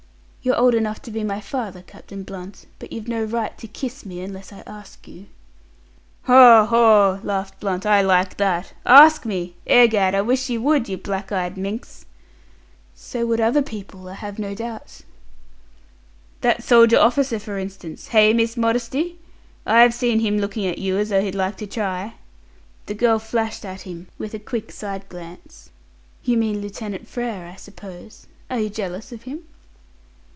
You're old enough to be my father, Captain Blunt, but you've no right to kiss me, unless I ask you." "Haw, haw!" laughed Blunt. "I like that. Ask me! Egad, I wish you would, you black eyed minx!" "So would other people, I have no doubt." "That soldier officer, for instance. Hey, Miss Modesty? I've seen him looking at you as though he'd like to try." The girl flashed at him with a quick side glance. "You mean Lieutenant Frere, I suppose. Are you jealous of him?"